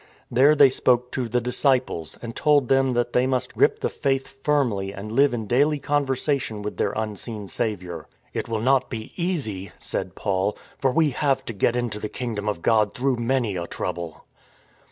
There they spoke to the disciples, and told them that they must grip the Faith firmly and live in daily conversation with their Unseen Saviour. *' It will not be easy," said Paul, " for we have to get into the Kingdom of God through many a trouble."